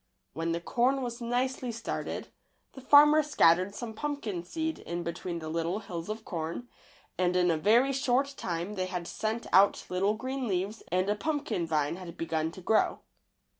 When the corn was nicely started, the far mer scattered some pumpkin seed in between the little hills of corn, and in a very short time they had sent out little green leaves and a pumpkin vine had begun to grow.